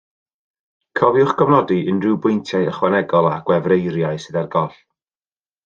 Cofiwch gofnodi unrhyw bwyntiau ychwanegol a gwefreiriau sydd ar goll